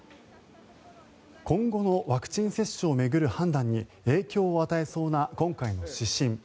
今後のワクチン接種を巡る判断に影響を与えそうな今回の指針。